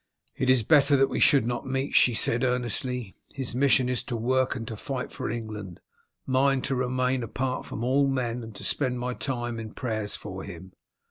"It is better that we should not meet," she said earnestly. "His mission is to work and to fight for England; mine to remain apart from all men and to spend my time in prayers for him.